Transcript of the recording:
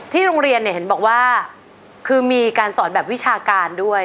โรงเรียนเนี่ยเห็นบอกว่าคือมีการสอนแบบวิชาการด้วย